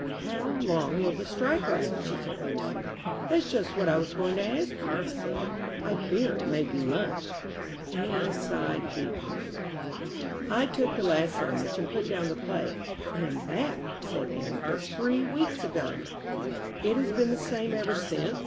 "How long will the strike last?" she said earnestly. "That's just what I was going to ask you," he said. "I fear it may be months." Anne sighed deeply. I took the last sandwich and put down the plate. "And that," said Anne, "was three weeks ago." "It has been the same ever since?"